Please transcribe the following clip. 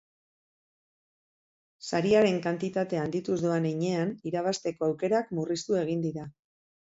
Sariaren kantitatea handituz doan heinean, irabazteko aukerak murriztu egin dira.